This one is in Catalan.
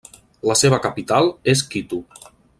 La seva capital és Quito.